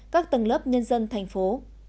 các tầng lớp nhân dân thành phố